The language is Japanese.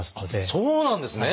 そうなんですね。